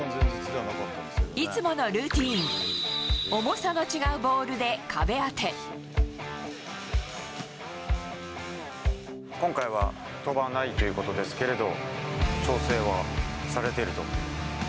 いつものルーティン、今回は、登板ないということですけれど、調整はされてると。